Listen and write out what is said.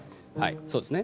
そうですね。